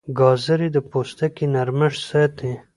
ګازرې د پوستکي نرمښت ساتي.